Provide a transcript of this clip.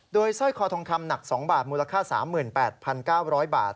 โดยสร้อยคอทองคำหนัก๒บาทมูลค่า๓๘๙๐๐บาท